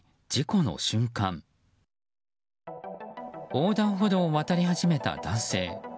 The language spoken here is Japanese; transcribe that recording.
横断報道を渡り始めた男性。